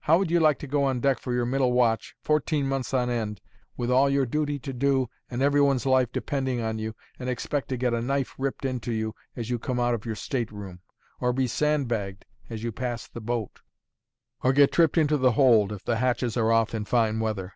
How would you like to go on deck for your middle watch, fourteen months on end, with all your duty to do and every one's life depending on you, and expect to get a knife ripped into you as you come out of your stateroom, or be sand bagged as you pass the boat, or get tripped into the hold, if the hatches are off in fine weather?